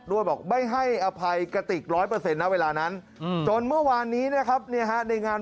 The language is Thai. ด้วยบอกไม่ให้อภัยกะติกร้อยเปอร์เซ็นต์นะเวลานั้นจนเมื่อวานนี้นะครับเนี่ยในงาน